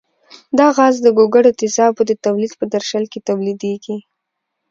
دا غاز د ګوګړو تیزابو د تولید په درشل کې تولیدیږي.